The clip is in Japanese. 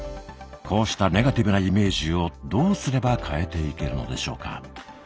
こうしたネガティブなイメージをどうすれば変えていけるのでしょうか？